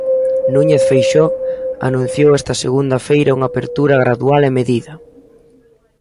Núñez Feixóo anunciou esta segunda feira unha apertura "gradual e medida".